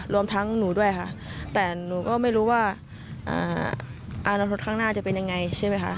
รวมทั้งหนูด้วยค่ะแต่หนูก็ไม่รู้ว่ารถข้างหน้าจะเป็นยังไงใช่ไหมคะ